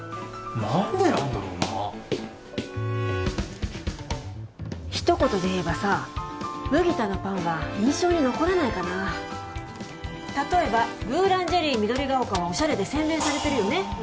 何でなんだろうな一言で言えばさ麦田のパンは印象に残らないかな例えばブーランジェリー緑が丘はオシャレで洗練されてるよね